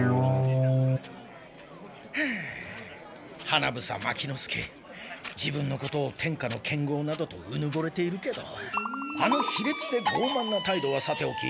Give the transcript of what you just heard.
花房牧之介自分のことを天下の剣豪などとうぬぼれているけどあのひれつでごうまんな態度はさておき